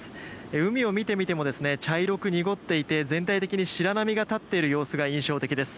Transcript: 海を見てみても茶色く濁っていて全体的に白波が立っている様子が印象的です。